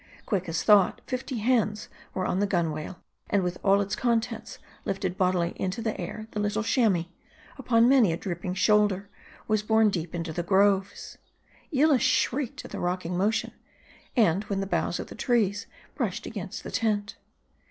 Quick as thought, fifty hands were on the gunwale : and, with all its contents, lifted bodily into the air, the little Chamois, upon many a dripping shoulder, was borne deep into the groves. Yillah shrieked at the rocking motion, and when the boughs of the trees brushed against the tent.